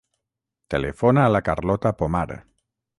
Telefona a la Carlota Pomar.